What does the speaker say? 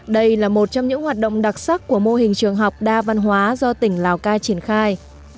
đây là một trong những hoạt động đặc sắc của mô hình trường học đa văn hóa do tỉnh lào cai triển khai